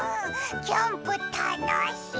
キャンプたのしい！